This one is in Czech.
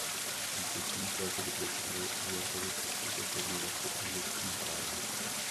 Vítězství v této bitvě připravilo Eduardovi cestu ke korunovaci anglickým králem.